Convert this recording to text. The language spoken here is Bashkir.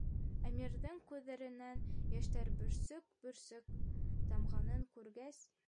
Әмирҙең күҙҙәренән йәштәр бөрсөк-бөрсөк тамғанын күргәс: